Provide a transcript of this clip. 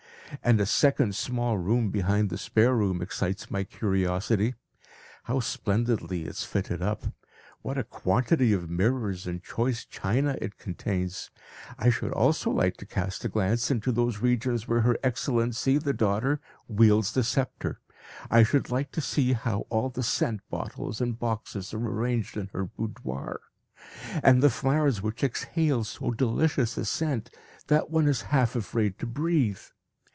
And a second small room behind the spare room excites my curiosity. How splendidly it is fitted up; what a quantity of mirrors and choice china it contains! I should also like to cast a glance into those regions where Her Excellency, the daughter, wields the sceptre. I should like to see how all the scent bottles and boxes are arranged in her boudoir, and the flowers which exhale so delicious a scent that one is half afraid to breathe.